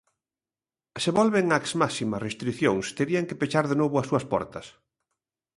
Se volven ás máximas restricións, terían que pechar de novo as súas portas.